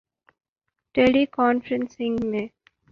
ٹیلی conferencing م